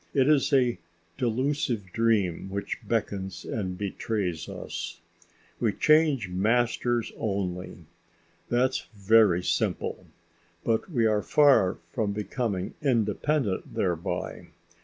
It is a delusive dream which beckons and betrays us. We change masters only. That's very simple. But we are far from becoming independent thereby.